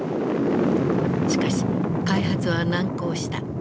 しかし開発は難航した。